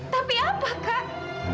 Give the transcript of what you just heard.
tapi apa kak